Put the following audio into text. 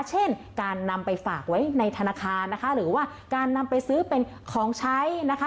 เช่นการนำไปฝากไว้ในธนาคารนะคะหรือว่าการนำไปซื้อเป็นของใช้นะคะ